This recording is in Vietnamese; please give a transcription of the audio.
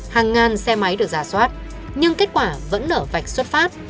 hàng ngàn xe máy được giả soát nhưng kết quả vẫn nở vạch xuất phát